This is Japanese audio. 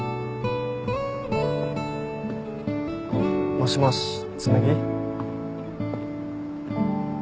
もしもし紬？